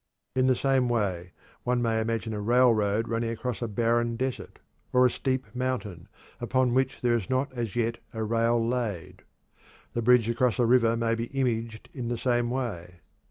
In the same way one may imagine a railroad running across a barren desert, or a steep mountain, upon which there is not as yet a rail laid. The bridge across a river may be imaged in the same way.